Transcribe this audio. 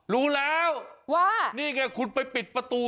รู้แล้วว่านี่ไงคุณไปปิดประตู